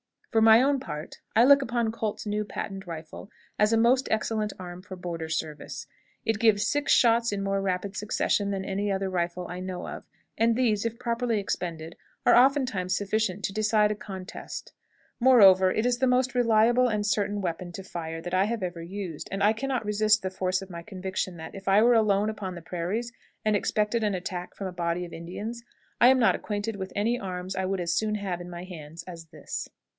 For my own part, I look upon Colt's new patent rifle as a most excellent arm for border service. It gives six shots in more rapid succession than any other rifle I know of, and these, if properly expended, are oftentimes sufficient to decide a contest; moreover, it is the most reliable and certain weapon to fire that I have ever used, and I can not resist the force of my conviction that, if I were alone upon the prairies, and expected an attack from a body of Indians, I am not acquainted with any arm I would as soon have in my hands as this.